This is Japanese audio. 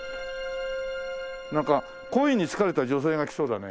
なんか恋に疲れた女性が来そうだね。